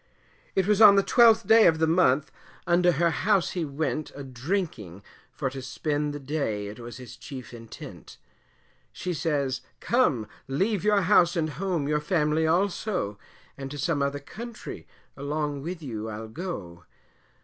It was on the 12th day of the month, unto her house he went A drinking, for to spend the day, it was his chief intent; She says, come leave your house and home, your family also, And to some other country, along with you I'll go.